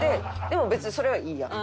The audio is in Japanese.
でも別にそれはいいやん。